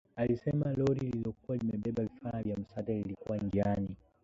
Alisema lori lililokuwa limebeba vifaa vya msaada lilikuwa njiani